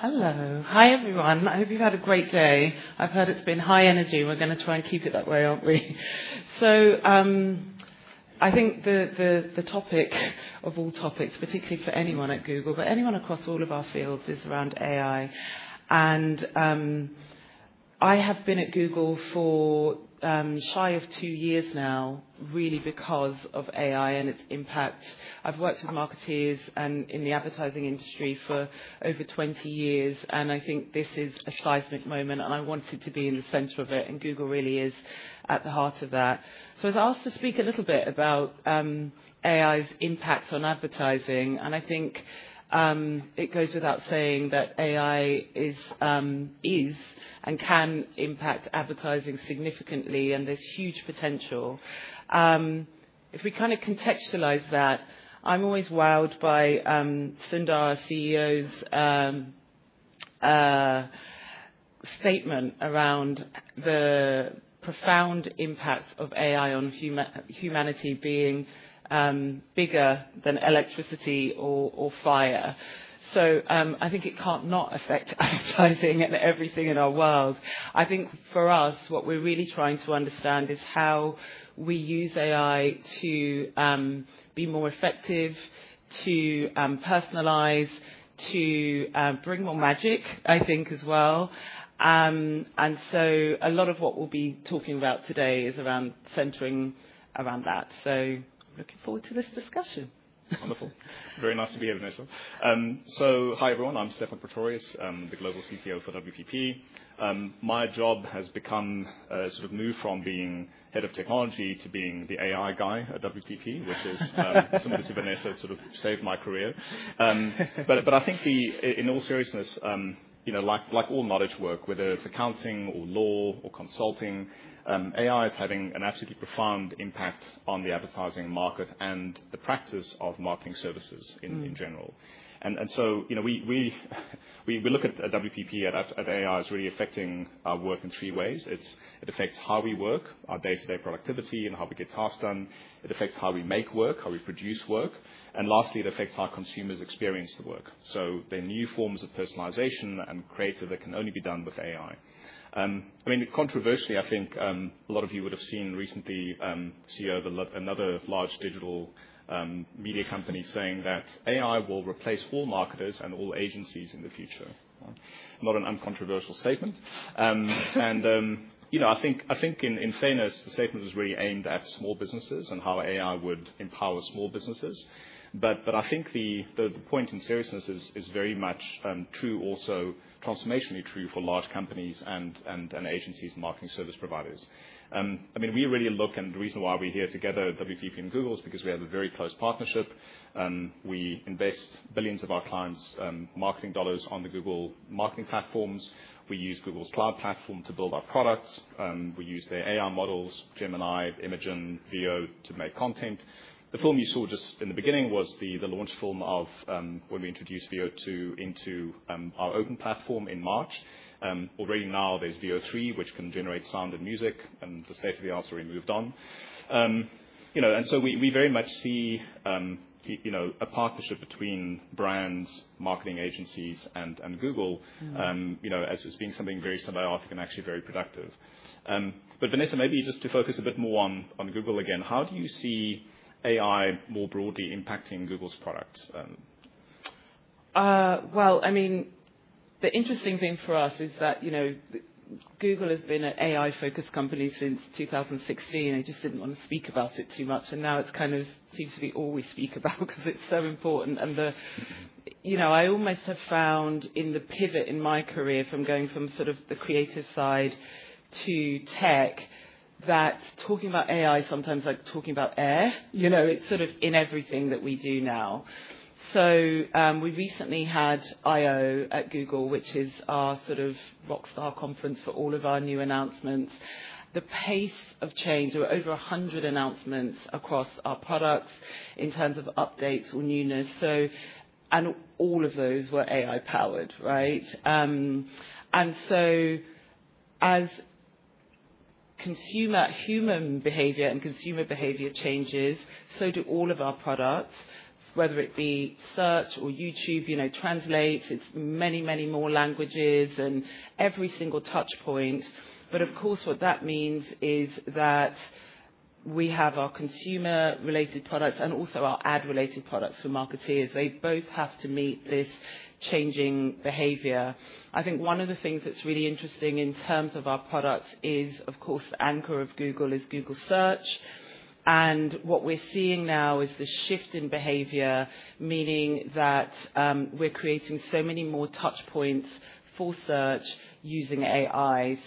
Hello. Hi, everyone. I hope you've had a great day. I've heard it's been high energy. We're going to try and keep it that way, aren't we? I think the topic of all topics, particularly for anyone at Google, but anyone across all of our fields, is around AI. I have been at Google for shy of two years now, really because of AI and its impact. I've worked with marketeers and in the advertising industry for over 20 years. I think this is a seismic moment. I wanted to be in the center of it. Google really is at the heart of that. I was asked to speak a little bit about AI's impact on advertising. I think it goes without saying that AI is and can impact advertising significantly. There's huge potential. If we kind of contextualize that, I'm always wowed by Sundar CEO's statement around the profound impact of AI on humanity being bigger than electricity or fire. I think it can't not affect advertising and everything in our world. I think for us, what we're really trying to understand is how we use AI to be more effective, to personalize, to bring more magic, I think, as well. A lot of what we'll be talking about today is around centering around that. I'm looking forward to this discussion. Wonderful. Very nice to be here, Vanessa. So hi, everyone. I'm Stephan Pretorius, the Global CTO for WPP. My job has sort of moved from being head of technology to being the AI guy at WPP, which is similar to Vanessa's sort of saved my career. But I think in all seriousness, like all knowledge work, whether it's accounting or law or consulting, AI is having an absolutely profound impact on the advertising market and the practice of marketing services in general. And so we look at WPP and at AI as really affecting our work in three ways. It affects how we work, our day-to-day productivity, and how we get tasks done. It affects how we make work, how we produce work. And lastly, it affects how consumers experience the work. So there are new forms of personalization and creative that can only be done with AI. I mean, controversially, I think a lot of you would have seen recently CEO of another large digital media company saying that AI will replace all marketers and all agencies in the future. Not an uncontroversial statement. I think in fairness, the statement was really aimed at small businesses and how AI would empower small businesses. I think the point in seriousness is very much true also, transformationally true for large companies and agencies and marketing service providers. I mean, we really look and the reason why we're here together, WPP and Google, is because we have a very close partnership. We invest billions of our clients' marketing dollars on the Google Marketing Platform. We use Google Cloud Platform to build our products. We use their AI models, Gemini, Imagen, Veo to make content. The film you saw just in the beginning was the launch film of when we introduced Veo two into our open platform in March. Already now there's Veo three, which can generate sound and music. The state of the art's already moved on. We very much see a partnership between brands, marketing agencies, and Google as being something very symbiotic and actually very productive. Vanessa, maybe just to focus a bit more on Google again, how do you see AI more broadly impacting Google's products? I mean, the interesting thing for us is that Google has been an AI-focused company since 2016. I just did not want to speak about it too much. Now it kind of seems to be all we speak about because it is so important. I almost have found in the pivot in my career from going from sort of the creative side to tech that talking about AI is sometimes like talking about air. It is sort of in everything that we do now. We recently had I/O at Google, which is our sort of rock star conference for all of our new announcements. The pace of change was over 100 announcements across our products in terms of updates or newness. All of those were AI-powered, right? As consumer human behavior and consumer behavior change, so do all of our products, whether it be Search or YouTube, translates. It is many, many more languages and every single touchpoint. Of course, what that means is that we have our consumer-related products and also our ad-related products for marketeers. They both have to meet this changing behavior. I think one of the things that is really interesting in terms of our products is, of course, the anchor of Google is Google Search. What we are seeing now is the shift in behavior, meaning that we are creating so many more touchpoints for Search using AI.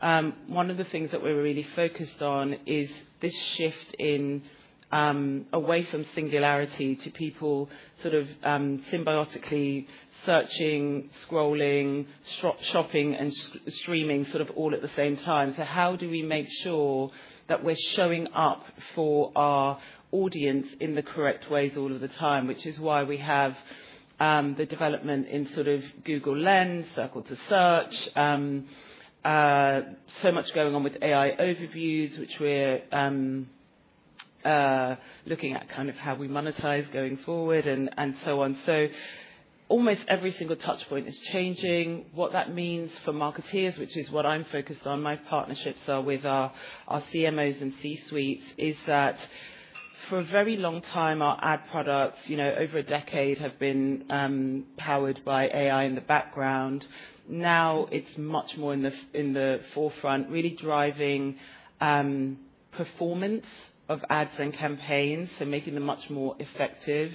One of the things that we are really focused on is this shift away from singularity to people sort of symbiotically searching, scrolling, shopping, and streaming sort of all at the same time. How do we make sure that we're showing up for our audience in the correct ways all of the time, which is why we have the development in sort of Google Lens, Circle to Search, so much going on with AI Overviews, which we're looking at kind of how we monetize going forward and so on. Almost every single touchpoint is changing. What that means for marketeers, which is what I'm focused on, my partnerships are with our CMOs and C-suites, is that for a very long time, our ad products, over a decade, have been powered by AI in the background. Now it's much more in the forefront, really driving performance of ads and campaigns, making them much more effective.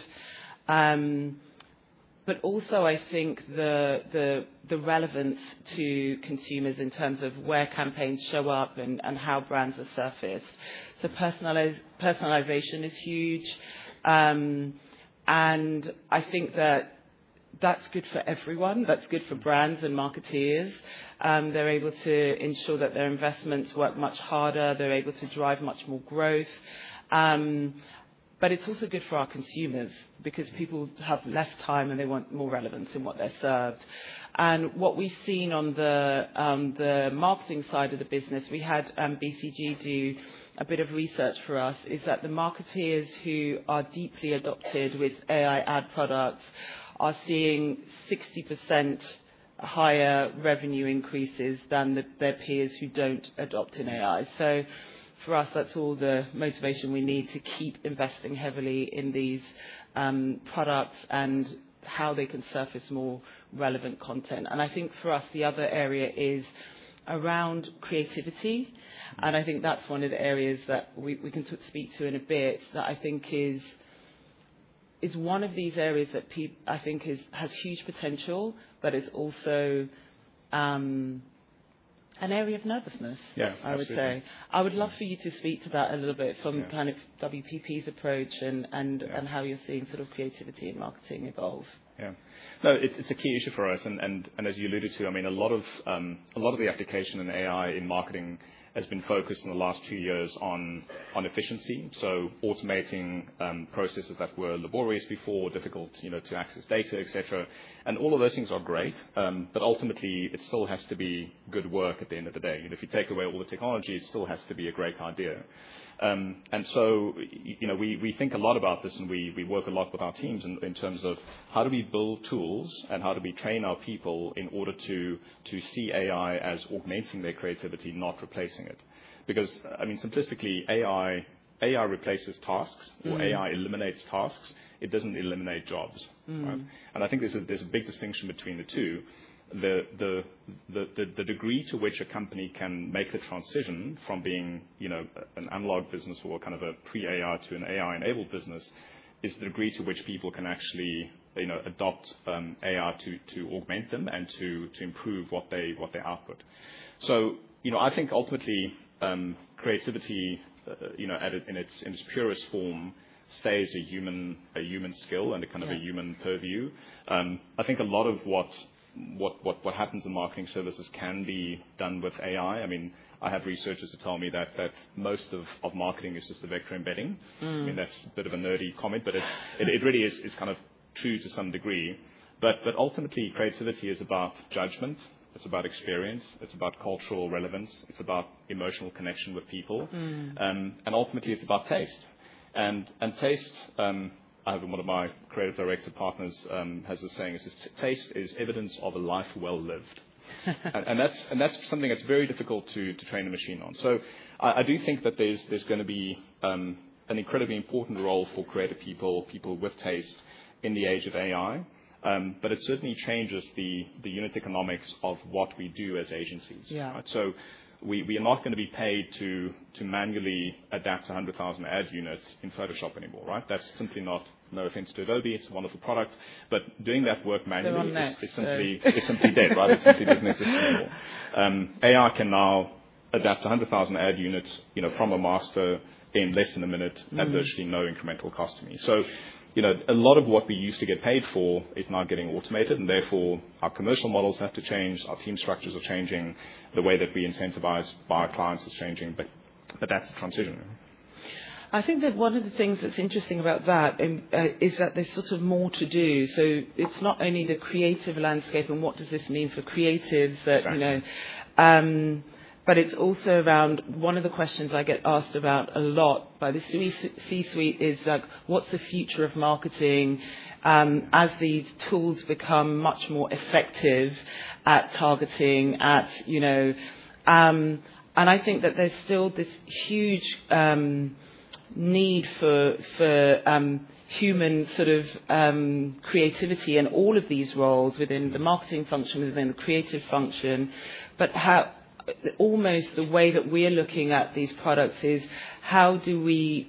Also, I think the relevance to consumers in terms of where campaigns show up and how brands are surfaced. Personalization is huge. I think that that's good for everyone. That's good for brands and marketeers. They're able to ensure that their investments work much harder. They're able to drive much more growth. It's also good for our consumers because people have less time and they want more relevance in what they're served. What we've seen on the marketing side of the business, we had BCG do a bit of research for us, is that the marketeers who are deeply adopted with AI ad products are seeing 60% higher revenue increases than their peers who don't adopt in AI. For us, that's all the motivation we need to keep investing heavily in these products and how they can surface more relevant content. I think for us, the other area is around creativity. I think that's one of the areas that we can speak to in a bit that I think is one of these areas that I think has huge potential, but it's also an area of nervousness, I would say. I would love for you to speak to that a little bit from kind of WPP's approach and how you're seeing sort of creativity and marketing evolve. Yeah. No, it's a key issue for us. As you alluded to, I mean, a lot of the application and AI in marketing has been focused in the last two years on efficiency, automating processes that were laborious before, difficult to access data, et cetera. All of those things are great. Ultimately, it still has to be good work at the end of the day. If you take away all the technology, it still has to be a great idea. We think a lot about this. We work a lot with our teams in terms of how do we build tools and how do we train our people in order to see AI as augmenting their creativity, not replacing it? I mean, simplistically, AI replaces tasks or AI eliminates tasks. It doesn't eliminate jobs. I think there's a big distinction between the two. The degree to which a company can make the transition from being an analog business or kind of a pre-AI to an AI-enabled business is the degree to which people can actually adopt AI to augment them and to improve what they output. I think ultimately, creativity in its purest form stays a human skill and kind of a human purview. I think a lot of what happens in marketing services can be done with AI. I mean, I have researchers who tell me that most of marketing is just a vector embedding. I mean, that's a bit of a nerdy comment, but it really is kind of true to some degree. Ultimately, creativity is about judgment. It's about experience. It's about cultural relevance. It's about emotional connection with people. Ultimately, it's about taste. Taste, I think one of my creative director partners has a saying, "Taste is evidence of a life well lived." That is something that is very difficult to train a machine on. I do think that there is going to be an incredibly important role for creative people, people with taste in the age of AI. It certainly changes the unit economics of what we do as agencies. We are not going to be paid to manually adapt 100,000 ad units in Photoshop anymore, right? That is simply not. No offense to Adobe. It is a wonderful product. Doing that work manually is simply dead, right? It simply does not exist anymore. AI can now adapt 100,000 ad units from a master in less than a minute at virtually no incremental cost to me. A lot of what we used to get paid for is now getting automated. Our commercial models have to change. Our team structures are changing. The way that we incentivize our clients is changing. That's the transition. I think that one of the things that's interesting about that is that there's sort of more to do. It's not only the creative landscape and what does this mean for creatives, but it's also around one of the questions I get asked about a lot by the C-suite is like, "What's the future of marketing as these tools become much more effective at targeting?" I think that there's still this huge need for human sort of creativity in all of these roles within the marketing function, within the creative function. Almost the way that we're looking at these products is how do we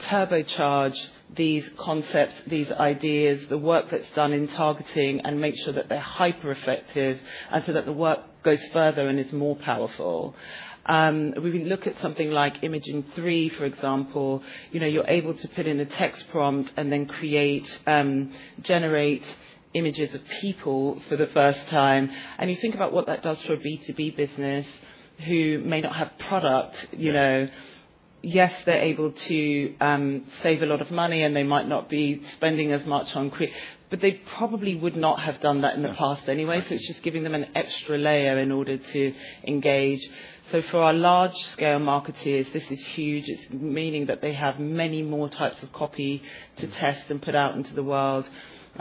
turbocharge these concepts, these ideas, the work that's done in targeting and make sure that they're hyper-effective and so that the work goes further and is more powerful? We look at something like Imagen three, for example. You're able to put in a text prompt and then generate images of people for the first time. You think about what that does for a B2B business who may not have product. Yes, they're able to save a lot of money, and they might not be spending as much on creative. They probably would not have done that in the past anyway. It's just giving them an extra layer in order to engage. For our large-scale marketeers, this is huge. It's meaning that they have many more types of copy to test and put out into the world.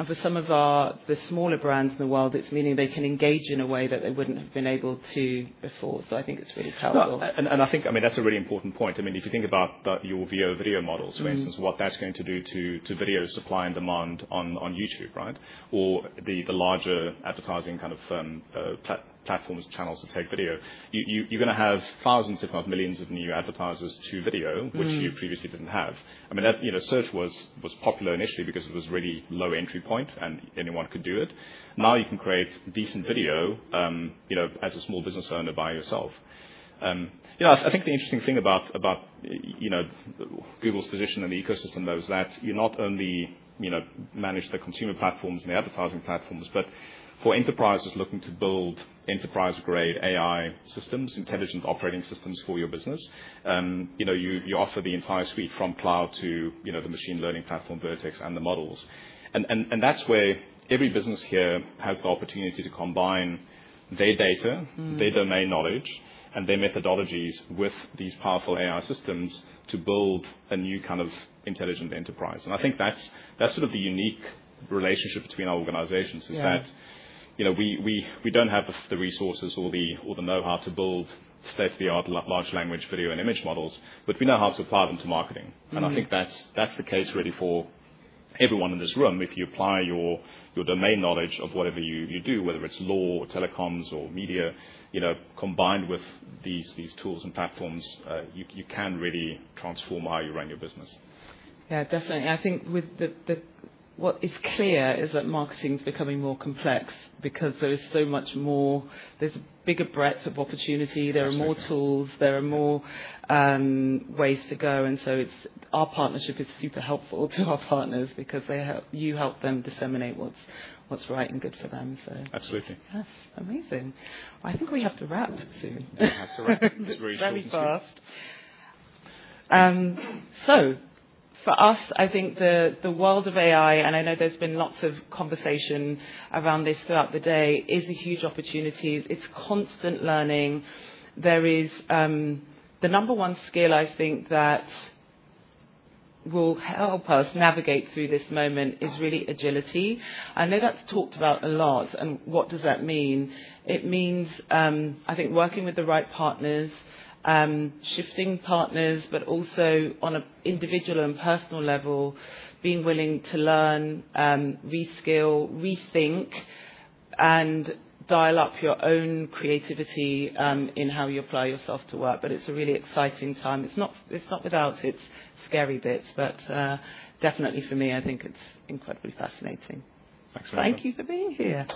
For some of the smaller brands in the world, it's meaning they can engage in a way that they wouldn't have been able to before. I think it's really powerful. I think, I mean, that's a really important point. I mean, if you think about your Veo video models, for instance, what that's going to do to video supply and demand on YouTube, right? Or the larger advertising kind of platforms, channels to take video. You're going to have thousands, if not millions of new advertisers to video, which you previously didn't have. I mean, search was popular initially because it was really low entry point and anyone could do it. Now you can create decent video as a small business owner by yourself. I think the interesting thing about Google's position in the ecosystem though is that you not only manage the consumer platforms and the advertising platforms, but for enterprises looking to build enterprise-grade AI systems, intelligent operating systems for your business, you offer the entire suite from cloud to the machine learning platform Vertex and the models. That is where every business here has the opportunity to combine their data, their domain knowledge, and their methodologies with these powerful AI systems to build a new kind of intelligent enterprise. I think that is sort of the unique relationship between our organizations, that we do not have the resources or the know-how to build state-of-the-art large language, video, and image models, but we know how to apply them to marketing. I think that is the case really for everyone in this room. If you apply your domain knowledge of whatever you do, whether it's law or telecoms or media, combined with these tools and platforms, you can really transform how you run your business. Yeah, definitely. I think what is clear is that marketing is becoming more complex because there is so much more. There is a bigger breadth of opportunity. There are more tools. There are more ways to go. Our partnership is super helpful to our partners because you help them disseminate what is right and good for them. Absolutely. Yes. Amazing. I think we have to wrap soon. We have to wrap. It's very short. Very fast. For us, I think the world of AI, and I know there's been lots of conversation around this throughout the day, is a huge opportunity. It's constant learning. The number one skill I think that will help us navigate through this moment is really agility. I know that's talked about a lot. What does that mean? It means, I think, working with the right partners, shifting partners, but also on an individual and personal level, being willing to learn, reskill, rethink, and dial up your own creativity in how you apply yourself to work. It's a really exciting time. It's not without its scary bits. Definitely, for me, I think it's incredibly fascinating. Thanks, Vanessa. Thank you for being here.